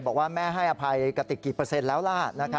บอกว่าแม่ให้อภัยกติกกี่เปอร์เซ็นต์แล้วล่ะ